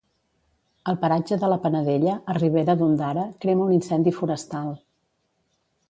Al paratge de la Panadella, a Ribera d'Ondara, crema un incendi forestal.